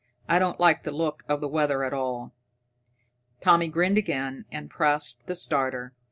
I don't like the look of the weather at all." Tommy grinned again and pressed the starter.